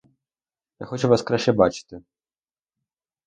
Я хочу вас краще бачити.